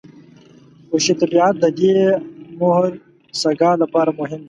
خوشي طبیعت د دې مهرسګال لپاره مهم دی.